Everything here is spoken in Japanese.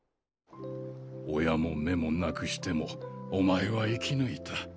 親も目もなくしてもお前は生き抜いた。